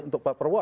untuk pak prabowo